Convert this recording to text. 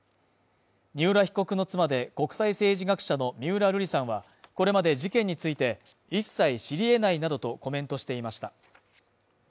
三浦被告の妻で国際政治学者の三浦瑠麗さんはこれまで事件について、一切知り得ないなどとコメントしていました。